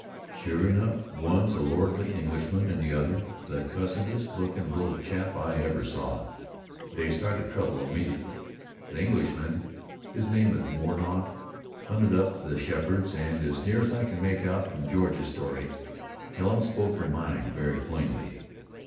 Sure enough, one's a lordly Englishman, and the other, the cussedest looking little chap I ever saw. They started trouble immediately. The Englishman, his name is Mordaunt, hunted up the Sheppards and as near as I can make out from George's story, Helen spoke her mind very plainly.